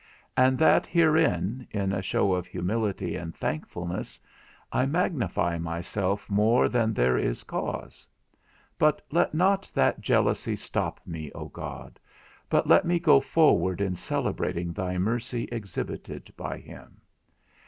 and that herein, in a show of humility and thankfulness, I magnify myself more than there is cause? But let not that jealousy stop me, O God, but let me go forward in celebrating thy mercy exhibited by him.